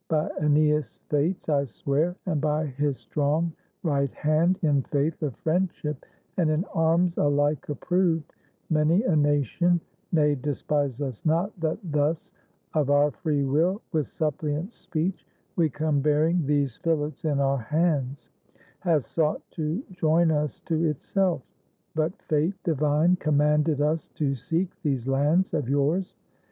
By Eneas' fates I swear, and by his strong right hand, in faith Of friendship, and in arms alike approved, — Many a nation (nay, despise us not That thus of our free will, with suppliant speech, We come bearing these fillets in our hands) Has sought to join us to itself; but fate Divine commanded us to seek these lands Of yours.